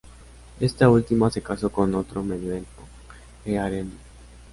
Esta última se casó con otro medio elfo, Eärendil.